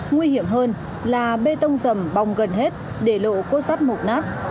nguy hiểm hơn là bê tông rầm bong gần hết để lộ cốt sắt mộc nát